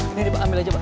ini ini ambil aja bang